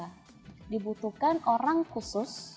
karena dibutuhkan orang khusus